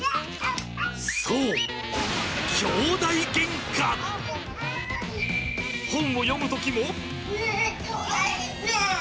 そう本を読む時も。